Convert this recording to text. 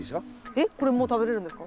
えっこれもう食べれるんですか？